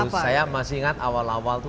saya masih ingat awal awal itu